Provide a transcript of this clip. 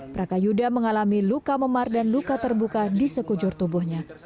prakayuda mengalami luka memar dan luka terbuka di sekujur tubuhnya